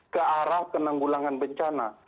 ke arah penanggulangan bencana